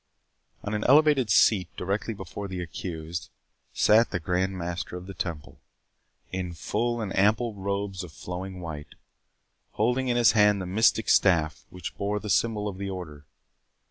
On an elevated seat, directly before the accused, sat the Grand Master of the Temple, in full and ample robes of flowing white, holding in his hand the mystic staff, which bore the symbol of the Order.